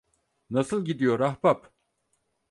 Nasıl gidiyor ahbap?